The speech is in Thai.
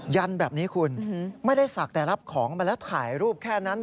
ยันแบบนี้คุณไม่ได้ศักดิ์แต่รับของมาแล้วถ่ายรูปแค่นั้น